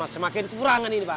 semakin kurang ini pak